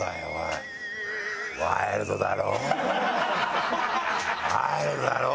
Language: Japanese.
ワイルドだろぉ。